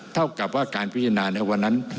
เท่ากับว่าการพิจารณาในวันนั้น